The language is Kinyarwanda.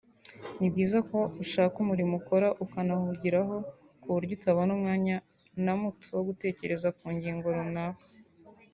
ni byiza ko ushaka imirimo ukora ukayihugiraho ku buryo utabona umwanya na muto wo gutekereza ku ngingo runaka